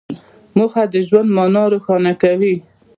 موخه د ژوند مانا روښانه کوي.